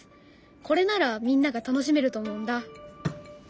これならみんなが楽しめると思うんだ。